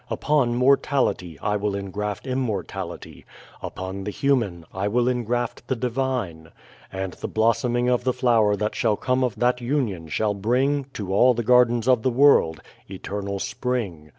Upon Mortality I will engraft Immortality, upon the Human I will engraft the Divine. And the blossoming of the Flower that shall come of that union shall bring, to all the gardens of the world, Eternal Spring.